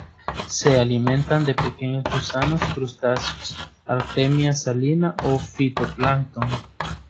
Se alimentan de pequeños gusanos, crustáceos, "Artemia salina" o fitoplancton.